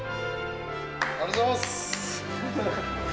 ありがとうございます。